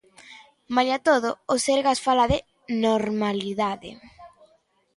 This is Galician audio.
Malia todo, o Sergas fala de "normalidade".